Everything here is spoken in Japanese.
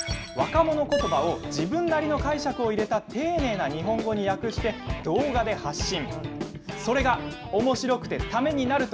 若者ことばを自分なりの解釈を入れた丁寧な日本語に訳して、動画で発信。